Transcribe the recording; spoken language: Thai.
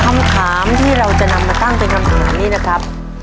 คำถามที่เราจะนำมาตั้งเป็นคำถามนี้นะครับ